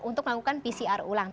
untuk melakukan pcr ulang